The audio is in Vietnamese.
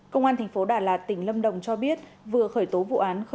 công an tp đà lạt tỉnh lâm đồng cho biết vừa khởi tố vụ án